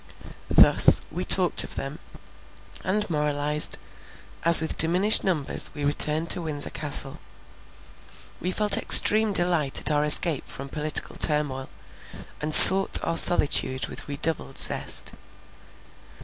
Thus, we talked of them, and moralized, as with diminished numbers we returned to Windsor Castle. We felt extreme delight at our escape from political turmoil, and sought our solitude with redoubled zest.